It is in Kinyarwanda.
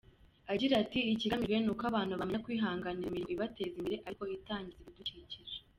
Agira ati “Ikigamijwe ni uko abantu bamenya kwihangira imirimo ibateza imbere ariko itangiza ibidukikije.